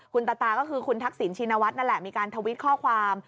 คุณตาตาก็คือคุณทักษิณชินวัฒน์นั่นแหละมีการทวิตข้อความ